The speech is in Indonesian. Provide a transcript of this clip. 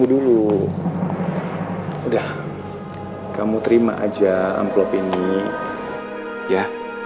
dulu udah kamu terima aja amplop ini ya